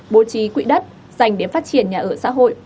bố trí quỹ đất dành để phát triển nhà ở xã hội